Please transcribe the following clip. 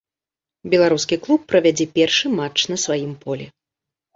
Беларускі клуб правядзе першы матч на сваім полі.